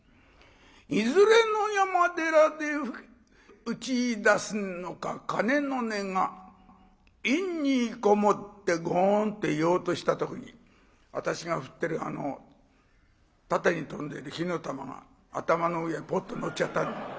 いずれの山寺で打ちいだすのか鐘の音が陰にこもってごん」って言おうとした時私が振ってる縦に飛んでる火の玉が頭の上へポッとのっちゃった。